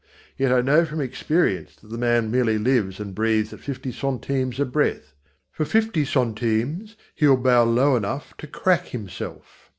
Yet I know from experience that the man merely lives and breathes at fifty centimes a breath. For fifty centimes he'll bow low enough to crack himself.